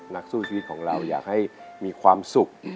นักสู้ชีวิตของเราอยากให้มีความสุข